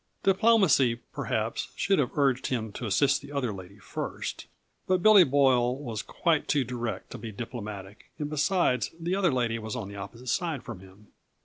Diplomacy, perhaps, should have urged him to assist the other lady first but Billy Boyle was quite too direct to be diplomatic and besides, the other lady was on the opposite side from him.